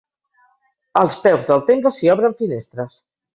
Als peus del temple s'hi obren finestres.